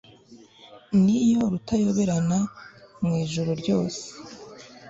niyo rutayoberana mu ijuru ryose